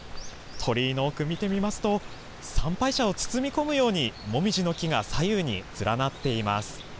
鳥居の奥、見てみますと、参拝者を包み込むようにもみじの木が左右に連なっています。